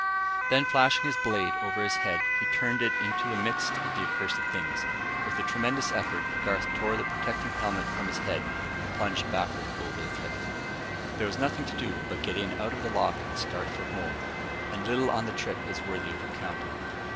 Then flashing his blade over his head, he hurled it into the midst of the accursed things. With a tremendous effort, Garth tore the protecting helmet from his head, and plunged backward over the cliff.... There was nothing to do but get in out of the lock and start for home, and little on the trip is worthy of recounting.